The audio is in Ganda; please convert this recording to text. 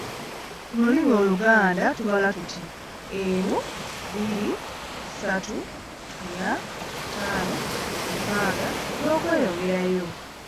Mu lulimi Oluganda tubala tuti “emu, bbiri, satu, nnya, ttaano, mukaaga, n'okweyongerayo.